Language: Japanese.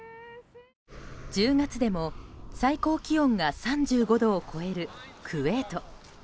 １０月でも最高気温が３５度を超えるクウェート。